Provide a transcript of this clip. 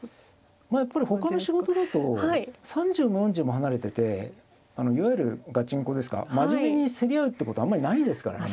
やっぱり他の仕事だと３０も４０も離れてていわゆるガチンコですか真面目に競り合うってことあんまりないですからね。